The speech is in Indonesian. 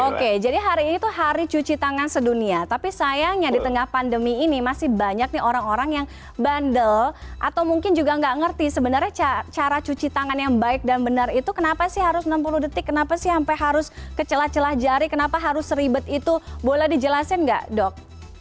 oke jadi hari ini tuh hari cuci tangan sedunia tapi sayangnya di tengah pandemi ini masih banyak nih orang orang yang bandel atau mungkin juga nggak ngerti sebenarnya cara cuci tangan yang baik dan benar itu kenapa sih harus enam puluh detik kenapa sih sampai harus kecelah celah jari kenapa harus ribet itu boleh dijelasin nggak dok